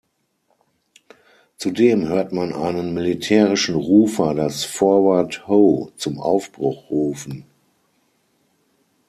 Zudem hört man einen militärischen Rufer das "Forward ho" zum Aufbruch rufen.